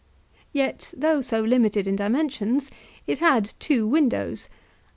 Yet, though so limited in dimensions, it had two windows.